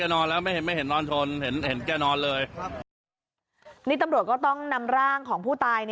นี่ตำรวจก็ต้องนำร่างของผู้ตาย